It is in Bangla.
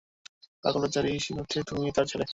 পাগল বেচারি, সে ভাবছে তুমি তার ছেলে।